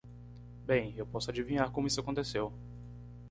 Bem? Eu posso adivinhar como isso aconteceu.